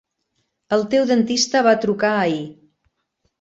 El teu dentista va trucar ahir.